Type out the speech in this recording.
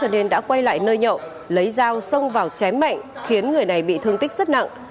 nên đã quay lại nơi nhậu lấy dao xông vào chém mạnh khiến người này bị thương tích rất nặng